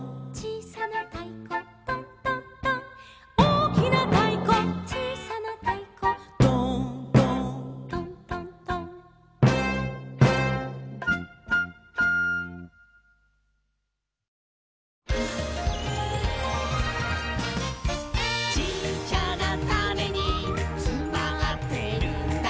「おおきなたいこちいさなたいこ」「ドーンドーントントントン」「ちっちゃなタネにつまってるんだ」